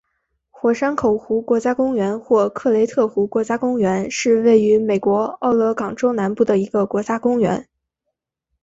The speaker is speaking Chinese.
火山口湖国家公园或克雷特湖国家公园是位于美国奥勒冈州南部的一个国家公园。